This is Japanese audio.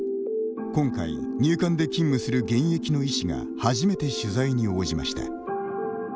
今回、入管で勤務する現役の医師が初めて取材に応じました。